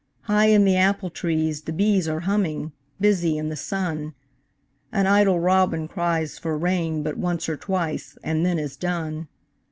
High in the apple trees the bees Are humming, busy in the sun, An idle robin cries for rain But once or twice and then is done.